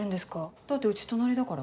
だって家隣だから。